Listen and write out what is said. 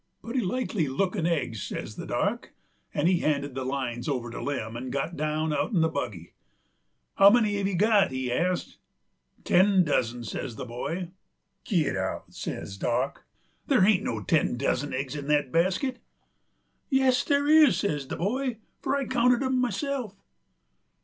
"Putty likely lookin' eggs," says the Dock; 'nd he handed the lines over to Lem, 'nd got out'n the buggy. "How many hev you got?" he asked. "Ten dozen," says the boy. "Git out!" says Dock. "There hain't no ten dozen eggs in that basket!" "Yes, there is," says the boy, "fur I counted 'em myself."